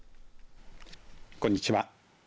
こんにちは。